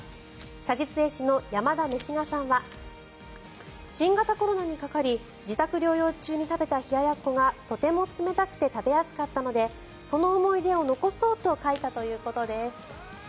写実絵師の山田めしがさんは新型コロナにかかり自宅療養中に食べた冷ややっこがとても冷たくて食べやすかったのでその思い出を残そうと思って描いたということです。